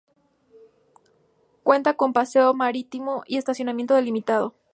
Cuenta con paseo marítimo y estacionamiento delimitado.